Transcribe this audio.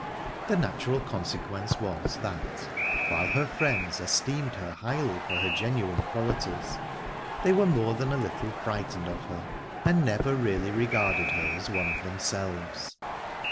The natural consequence was that, while her friends esteemed her highly for her genuine qualities, they were more than a little frightened of her, and never really regarded her as one of themselves.